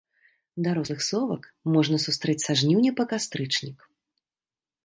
Дарослых совак можна сустрэць са жніўня па кастрычнік.